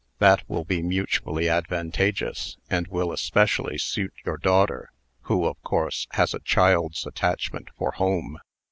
That will be mutually advantageous, and will especially suit your daughter, who, of course, has a child's attachment for home.